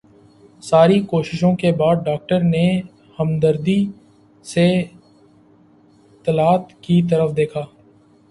ساری کوششوں کے بعد ڈاکٹر نے ہمدردی سے طلعت کی طرف دیکھا